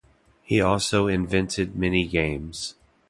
He also invented many games.